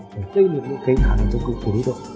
để kế niệm được cái khả năng chống cực của đối tượng